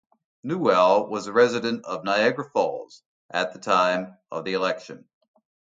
Newell was a resident of Niagara Falls at the time of the election.